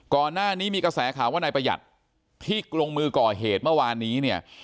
ก่อนหน้านี้มีกระแสข่าวว่านายประหยัดที่ลงมือก่อเหตุเมื่อวานนี้เนี่ย